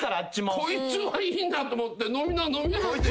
「こいつはいいな」と思って「飲みな飲みな」